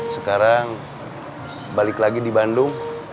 sekarang balik lagi di bandung